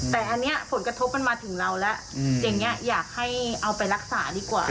แต่อันนี้ผลกระทบมันมาถึงเราแล้วอย่างนี้อยากให้เอาไปรักษาดีกว่า